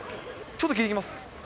ちょっと聞いてきます。